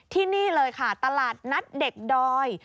ที่นี่เลยค่ะตลาดนัดเด็กดอย